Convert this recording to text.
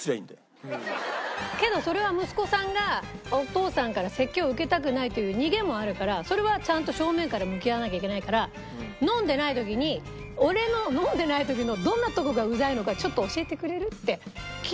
けどそれは息子さんがお父さんから説教を受けたくないという逃げもあるからそれはちゃんと正面から向き合わなきゃいけないから飲んでない時に「俺の飲んでない時のどんなとこがうざいのかちょっと教えてくれる？」って聞けばいい。